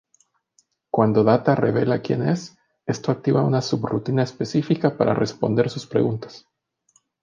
Cuando Data revela quien es, esto activa una subrutina específica para responder sus preguntas.